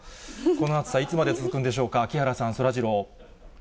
この暑さ、いつまで続くんでしょうか、木原さん、そらジロー。